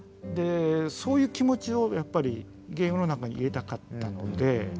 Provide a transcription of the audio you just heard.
でそういう気持ちをやっぱりゲームの中に入れたかったので。